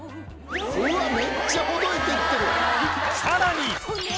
さらに！